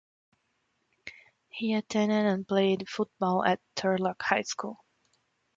He attended and played football at Turlock High School.